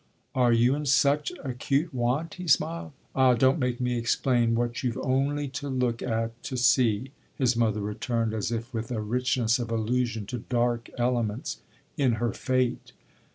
"Are you in such acute want?" he smiled. "Ah don't make me explain what you've only to look at to see!" his mother returned as if with a richness of allusion to dark elements in her fate.